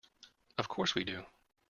Of course we do.